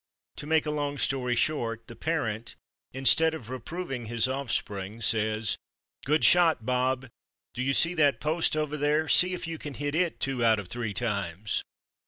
To make a long story short, the parent, instead of reproving his offspring, says: "Good shot, Bob! Do you see that post over there? See if you can hit it two out of three times."